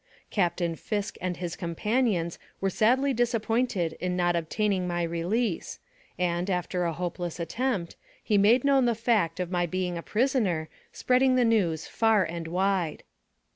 Captain Fisk and his companions were sadly disappointed in not obtaining my release, and, after a hopeless attempt, he made known the fact of my being a prisoner, spreading the news far and wide.